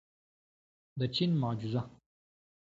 د چین معجزه.